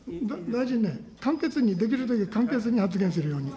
大臣ね、簡潔に、できるだけ簡潔に発言するように。